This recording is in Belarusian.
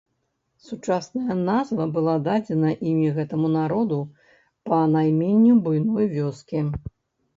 Сучасная назва была дадзена імі гэтаму народу па найменню буйной вёскі.